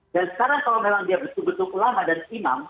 dan sekarang kalau memang dia betul betul ulama dan imam